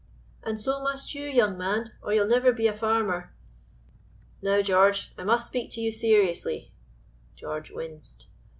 "And so must you, young man, or you'll never be a farmer. Now, George, I must speak to you seriously" (George winced).